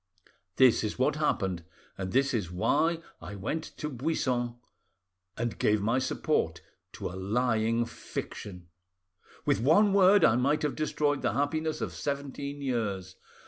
This is what happened, and this is why I went to Buissan and gave my support to a lying fiction. With one word I might have destroyed the happiness of seventeen years.